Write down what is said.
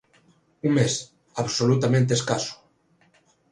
Un mes, absolutamente escaso.